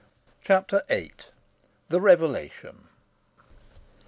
CHAPTER VIII. THE REVELATION.